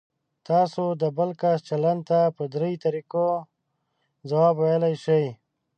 تاسو د بل کس چلند ته په درې طریقو ځواب ویلی شئ.